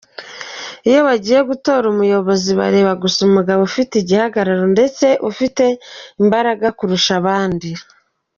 Iyo bagiye gutora umuyobozi bareba gusa umugabo ufite igihagararo ndetse ufite imbaraga kurusha abandi.